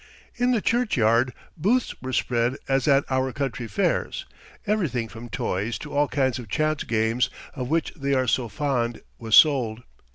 In the churchyard booths were spread as at our country fairs. Everything from toys to all kinds of chance games, of which they are so fond, was sold.